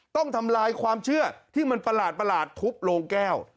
ต้องทำลายความเชื่อที่มันประหลาดทุบโรงแก้ว